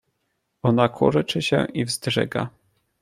"Ona kurczy się i wzdryga."